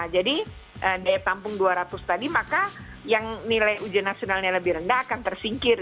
jadi daya tampung dua ratus tadi maka yang nilai ujian nasionalnya lebih rendah akan tersingkir